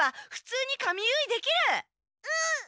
うん！